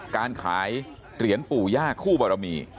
การขายเตรียญปู่ญาติคู่เบาระมี